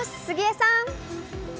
杉江さん。